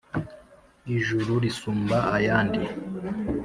ijuru risumba ayandi.